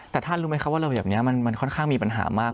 แต่ท่านรู้ไหมครับว่าระเบียบนี้มันค่อนข้างมีปัญหามาก